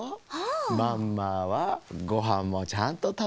「マンマ」は「ごはんもちゃんとたべてるよ」。